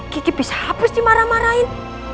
kiki bisa hapus dimarah marahin